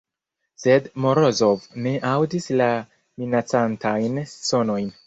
Sed Morozov ne aŭdis la minacantajn sonojn.